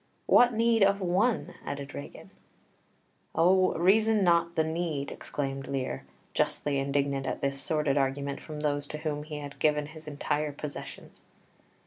"What need of one?" added Regan. "O, reason not the need," exclaimed Lear, justly indignant at this sordid argument from those to whom he had given his entire possessions.